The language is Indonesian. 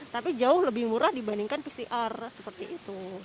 tapi jauh lebih murah dibandingkan pcr seperti itu